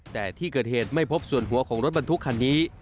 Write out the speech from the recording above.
แต่ที่เกิดเหตุไม่พบส่วนหัวของรถบรรทุกคันนี้